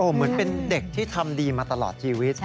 เหมือนเป็นเด็กที่ทำดีมาตลอดชีวิต